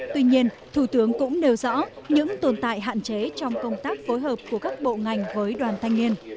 tuy nhiên thủ tướng cũng nêu rõ những tồn tại hạn chế trong công tác phối hợp của các bộ ngành với đoàn thanh niên